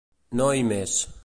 No i més.